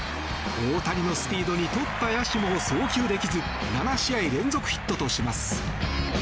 大谷のスピードにとった野手も送球できず７試合連続ヒットとします。